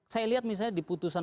saya lihat misalnya di putusan